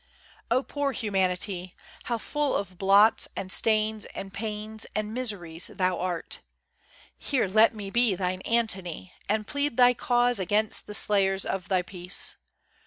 O, poor Humanity! How full of blots, And stains, and pains, and miseries thou art! Here let me be thine Antony, and plead Thy cause against the slayers of thy peace.